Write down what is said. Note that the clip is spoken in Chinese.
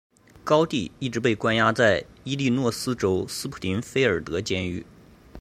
高蒂一直被关押在伊利诺斯州斯普林菲尔德监狱。